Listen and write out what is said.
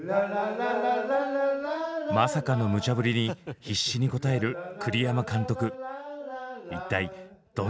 まさかのむちゃぶりに必死に応える栗山監督。